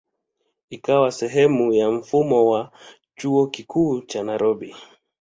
Ikawa sehemu ya mfumo wa Chuo Kikuu cha Nairobi.